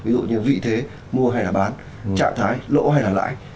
ví dụ như vị thế mua hay là bán trạng thái lỗ hay là lãi